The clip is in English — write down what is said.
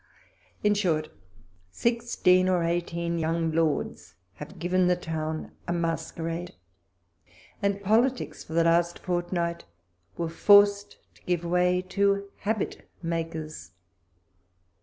In short, sixteen or eighteen young lords have given the town a Masquerade ; and politics, for the last fortnight, were forced to give way to habit makers.